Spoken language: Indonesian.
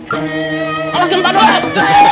kamu sibuk dong